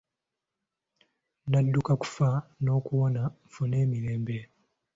Nadduka kufa n’okuwona nfune emirembe